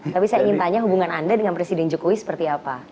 tapi saya ingin tanya hubungan anda dengan presiden jokowi seperti apa